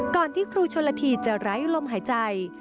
ก่อนที่ครูชนลธีจะไร้ลมหายใจ